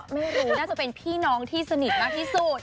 ไม่รู้น่าจะเป็นพี่น้องที่สนิทมากที่สุด